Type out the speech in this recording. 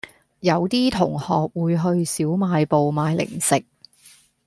有啲同學會去小賣部買零食